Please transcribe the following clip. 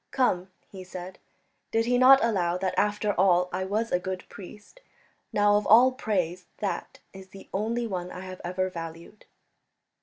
"Come," he said, "did he not allow that after all I was a good priest? Now, of all praise, that is the only one I have ever valued."